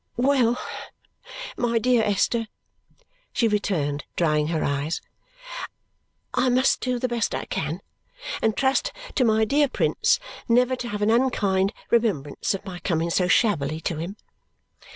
"Well, my dear Esther," she returned, drying her eyes, "I must do the best I can and trust to my dear Prince never to have an unkind remembrance of my coming so shabbily to him.